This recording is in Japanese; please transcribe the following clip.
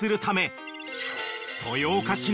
［豊岡市内